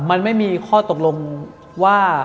มันไม่มีข้อตกลงว่า